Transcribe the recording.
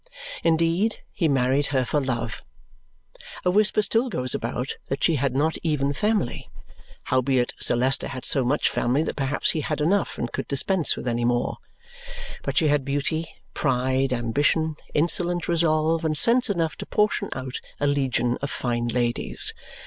Indeed, he married her for love. A whisper still goes about that she had not even family; howbeit, Sir Leicester had so much family that perhaps he had enough and could dispense with any more. But she had beauty, pride, ambition, insolent resolve, and sense enough to portion out a legion of fine ladies.